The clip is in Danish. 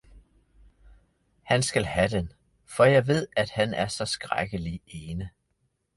han skal have den, for jeg ved at han er så skrækkelig ene.